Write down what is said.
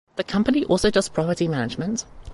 The company also does property management.